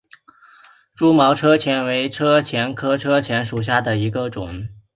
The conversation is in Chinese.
蛛毛车前为车前科车前属下的一个种。